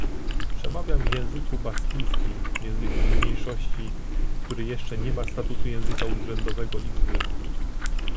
Przemawiam w języku baskijskim, języku mniejszości, który jeszcze nie ma statusu języka urzędowego Izby